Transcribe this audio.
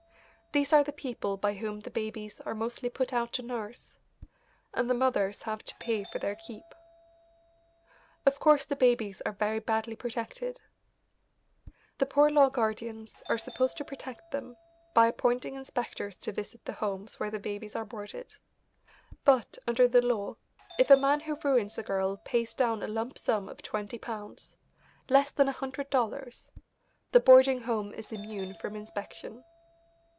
These are the people by whom the babies are mostly put out to nurse, and the mothers have to pay for their keep. Of course the babies are very badly protected. The Poor Law Guardians are supposed to protect them by appointing inspectors to visit the homes where the babies are boarded. But, under the law, if a man who ruins a girl pays down a lump sum of twenty pounds, less than a hundred dollars, the boarding home is immune from inspection.